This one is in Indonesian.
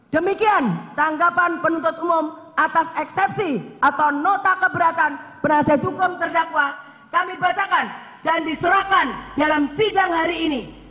demikian tanggapan penuntut umum atas eksepsi atau nota keberatan penasihat hukum terdakwa kami bacakan dan diserahkan dalam sidang hari ini